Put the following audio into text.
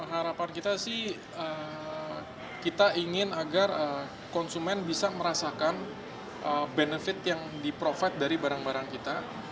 harapan kita sih kita ingin agar konsumen bisa merasakan benefit yang di provide dari barang barang kita